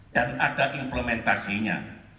dan ada implementasinya